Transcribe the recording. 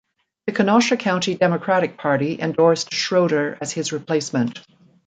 The Kenosha County Democratic Party endorsed Schroeder as his replacement.